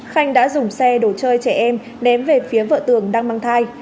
khanh đã dùng xe đồ chơi trẻ em ném về phía vợ tường đang mang thai